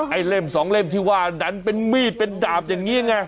เล่มสองเล่มที่ว่าดันเป็นมีดเป็นดาบอย่างนี้ยังไง